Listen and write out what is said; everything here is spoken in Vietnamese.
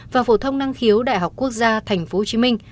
và phổ thông năng khiếu đại học quốc gia tp hcm